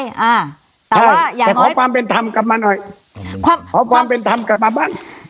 แต่ว่าอย่างน้อยแต่พอความเป็นธรรมกลับมาหน่อยพอความเป็นธรรมกลับมาบ้าง